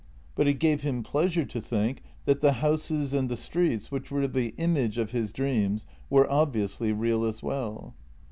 But it gave him pleasure to think that the houses and the streets, which were the image of his dreams, were obviously real as well.